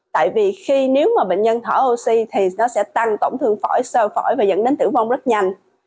tại vì khi nếu mà bệnh nhân thở oxy thì nó sẽ tăng tổn thương phổi sơ phổi và dẫn đến tử vong rất nhanh